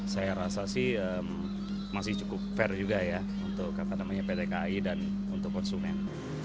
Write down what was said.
saya rasa sih masih cukup fair juga ya untuk pt kai dan untuk konsumen